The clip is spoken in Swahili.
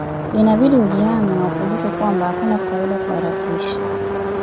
Inabidi ujihami na ukumbuke kwamba hakuna faida kuharakisha